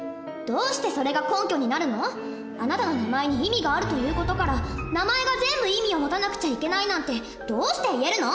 あなたの名前に意味があるという事から名前が全部意味を持たなくちゃいけないなんてどうして言えるの！？